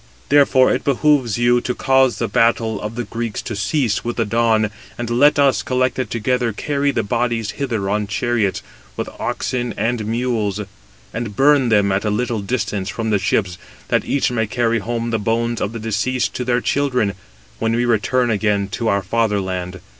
Therefore it behoves you to cause the battle of the Greeks to cease with the dawn, and let us, collected together, carry the bodies hither on chariots, with oxen and mules, and burn them at a little distance from the ships, that each may carry home the bones [of the deceased] to their children, when we return again to our father land.